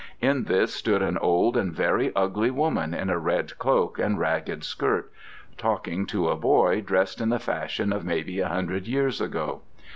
In this stood an old, and very ugly, woman in a red cloak and ragged skirt, talking to a boy dressed in the fashion of maybe a hundred years ago.